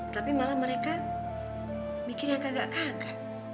tapi malah mereka mikirnya kagak kagak